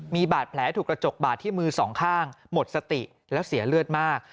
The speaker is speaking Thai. มีบาดแผลถูกกระจกบาดที่มือสองข้างหมดสติแล้วเสียเลือดมาก